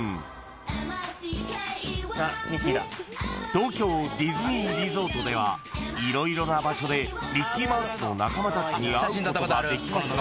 ［東京ディズニーリゾートでは色々な場所でミッキーマウスの仲間たちに会うことができますが］